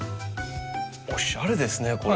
おしゃれですねこれ。